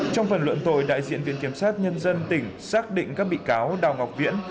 trong phần luận tội đại diện viện kiểm sát nhân dân tỉnh xác định các bị cáo đào ngọc viễn